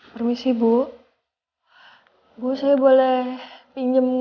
ketika kamu saja terpaksa